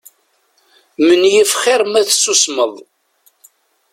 Menyif xir ma tessusmeḍ.